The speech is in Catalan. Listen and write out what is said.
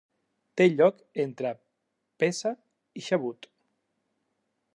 Té lloc entre Péssah i Xavuot.